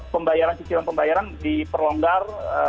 pembayaran cicilan pembayaran diperlonggar